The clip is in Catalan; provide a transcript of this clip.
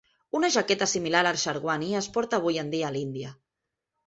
Una jaqueta similar , el sherwani, es porta avui en dia a l'Índia.